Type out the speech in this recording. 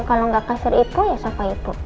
kalau gak kasur ibu ya sapa ibu